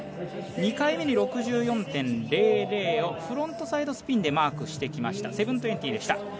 ２回目に６４．００をフロントサイドスピンでマークしてきました７２０でした。